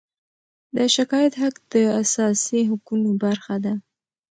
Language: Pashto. د شکایت حق د اساسي حقونو برخه ده.